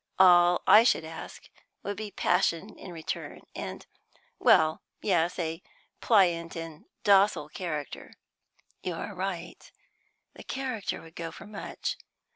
All I should ask would be passion in return, and well, yes, a pliant and docile character." "You are right; the character would go for much.